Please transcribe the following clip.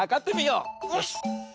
よし。